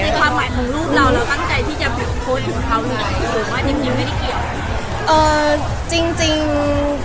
แต่ในความหมายของรูปเราเรากำลังใจที่จะเปิดโพสต์ของเขาหรือว่าจริงไม่ได้เกี่ยว